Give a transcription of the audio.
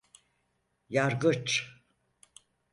Yargıç?